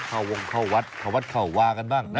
เข้าวงเข้าวัดเข้าวัดเข้าวากันบ้างนะ